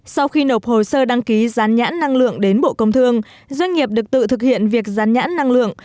sau khi nộp hồ sơ đăng ký gián nhãn năng lượng đến bộ công thương doanh nghiệp được tự thực hiện việc gián nhãn năng lượng